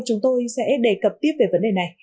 chúng tôi sẽ đề cập tiếp về vấn đề này